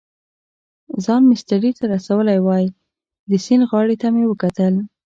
ځان مېسترې ته رسولی وای، د سیند غاړې ته مې وکتل.